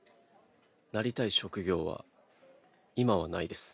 なりたい職業は今はないです。